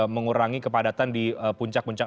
mengurangi kepadatan di puncak puncak